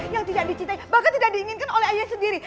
yang tidak dicintai bahkan tidak diinginkan oleh ayah sendiri